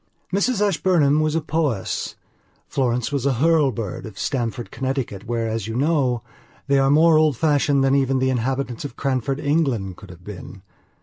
Mrs Ashburnham was a Powys; Florence was a Hurlbird of Stamford, Connecticut, where, as you know, they are more old fashioned than even the inhabitants of Cranford, England, could have been.